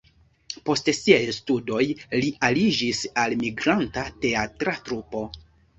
Post siaj studoj li aliĝis al migranta teatra trupo.